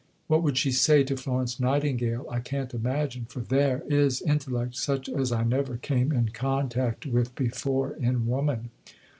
What would she say to Florence Nightingale? I can't imagine! for there is intellect such as I never came in contact with before in woman!